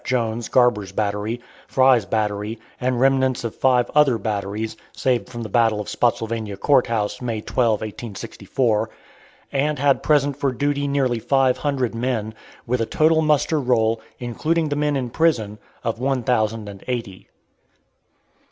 Jones, Garber's battery, Fry's battery, and remnants of five other batteries (saved from the battle of Spottsylvania Court House, May 12, 1864), and had present for duty nearly five hundred men, with a total muster roll, including the men in prison, of one thousand and eighty.